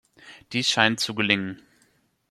Dies scheint zu gelingen.